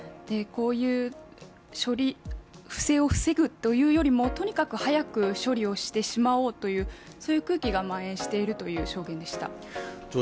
こういう不正を防ぐというよりもとにかく早く処理してしまおうというそういう空気がまん延しているという証言でした。